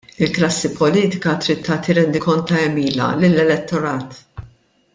Il-klassi politika trid tagħti rendikont ta' għemilha lill-elettorat.